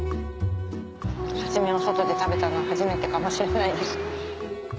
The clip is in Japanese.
刺し身を外で食べたのは初めてかもしれないです。